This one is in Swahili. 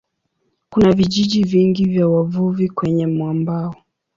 Kuna vijiji vingi vya wavuvi kwenye mwambao.